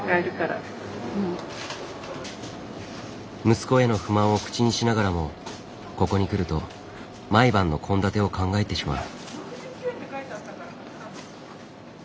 息子への不満を口にしながらもここに来ると毎晩の献立を考えてしまう。